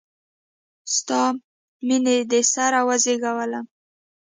ستا میینې د سره وزیږولم